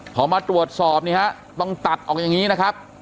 พอมาตรวจสอบนี่ฮะต้องตัดออกอย่างนี้นะครับ